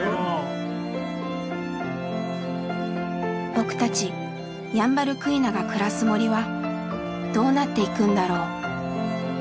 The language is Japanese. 僕たちヤンバルクイナが暮らす森はどうなっていくんだろう。